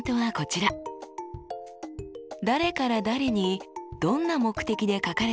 誰から誰にどんな目的で書かれた文章か？